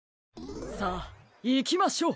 さあいきましょう！